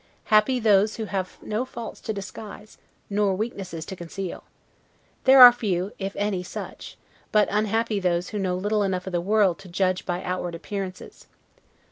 Happy those who have no faults to disguise, nor weaknesses to conceal! there are few, if any such; but unhappy those who know little enough of the world to judge by outward appearances.